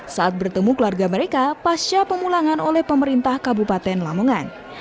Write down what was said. saat bertemu keluarga mereka pasca pemulangan oleh pemerintah kabupaten lamongan